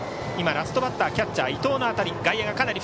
ラストバッター、キャッチャー伊藤の当たり。